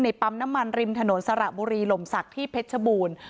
ปั๊มน้ำมันริมถนนสระบุรีหล่มศักดิ์ที่เพชรบูรณ์